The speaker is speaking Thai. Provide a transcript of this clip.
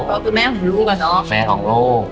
ก็คือแม่ของลูกอะเนาะแฟนของลูก